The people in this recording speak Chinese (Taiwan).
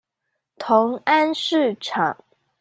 同安市場